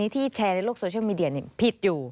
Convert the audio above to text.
ที่แชร์ในโลกโซเชียลมีเดียผิดอยู่